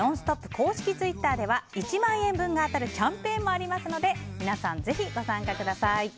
公式ツイッターでは１万円分が当たるキャンペーンもありますので皆さん、ぜひご参加ください。